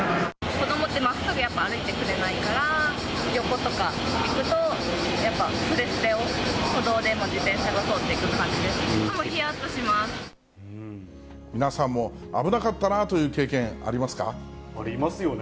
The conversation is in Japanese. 子どもって、まっすぐやっぱ歩いてくれないから、横とか行くと、やっぱすれすれを歩道でも自転車が通っていく感じで、いつもひや皆さんも危なかったなぁといありますよね。